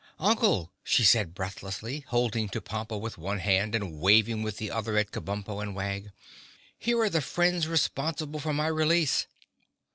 "Uncle," she said breathlessly, holding to Pompa with one hand and waving with the other at Kabumpo and Wag, "here are the friends responsible for my release.